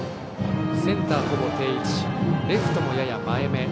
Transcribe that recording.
センターはほぼ定位置レフトもやや前め。